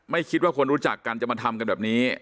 คิดว่าคนรู้จักกันจะมาทำกันแบบนี้